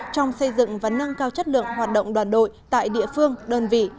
trong xây dựng và nâng cao chất lượng hoạt động đoàn đội tại địa phương đơn vị